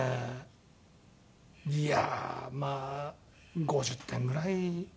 いやあまあ５０点ぐらい。